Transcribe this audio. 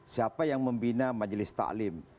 siapa yang membina majelis taklim